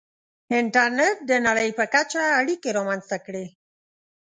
• انټرنېټ د نړۍ په کچه اړیکې رامنځته کړې.